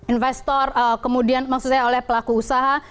investor kemudian maksud saya oleh pelaku usaha